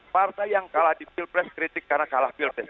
partai yang kalah di pilpres kritik karena kalah pilpres